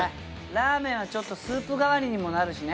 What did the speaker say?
ラーメンはスープ代わりにもなるしね。